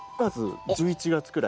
９月１１月くらい。